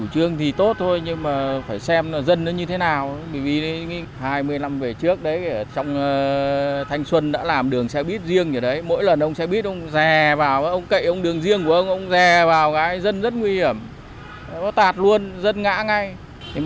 riêng thì còn an toàn chứ hà nội này là không khả thi